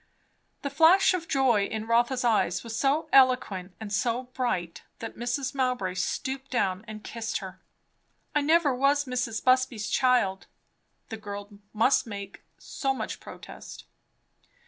The flash of joy in Rotha's eyes was so eloquent and so bright, that Mrs. Mowbray stooped down and kissed her. "I never was Mrs. Busby's child," the girl must make so much protest.